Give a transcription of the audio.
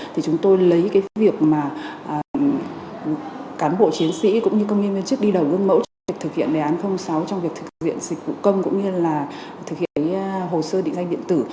thì chúng tôi lấy cái việc mà cán bộ chiến sĩ cũng như công nhân viên chức đi đầu gương mẫu trong việc thực hiện đề án sáu trong việc thực hiện dịch vụ công cũng như là thực hiện hồ sơ định danh điện tử